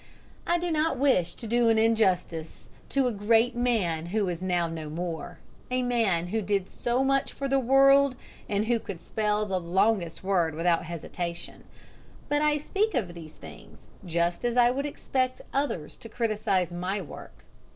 I do not wish to do an injustice to a great man who is now no more, a man who did so much for the world and who could spell the longest word without hesitation, but I speak of these things just as I would expect others to criticise my work.